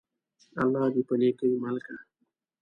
الله دي په نيکۍ مل که!